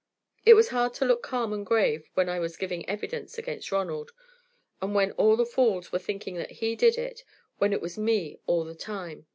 It was hard to look calm and grave when I was giving evidence against Ronald, and when all the fools were thinking that he did it, when it was me all the time.